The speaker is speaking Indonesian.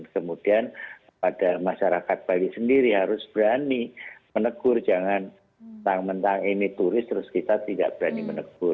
kemudian pada masyarakat bali sendiri harus berani menegur jangan mentang mentang ini turis terus kita tidak berani menegur